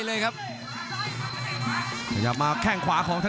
รับทราบบรรดาศักดิ์